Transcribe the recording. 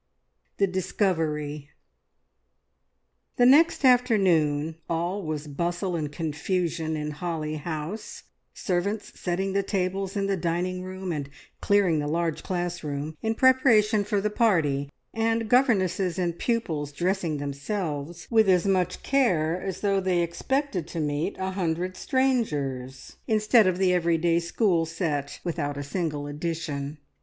THE DISCOVERY. The next afternoon all was bustle and confusion in Holly House, servants setting the tables in the dining room, and clearing the large classroom, in preparation for the party, and governesses and pupils dressing themselves with as much care as though they expected to meet a hundred strangers, instead of the everyday school set, without a single addition.